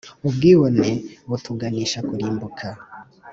Ubwibone butuganisha kurimbuka